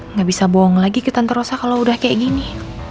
nggak bisa bohong lagi ke tante rosa kalau udah kayak gini